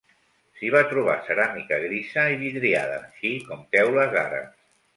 S'hi va trobar ceràmica grisa i vidriada, així com teules àrabs.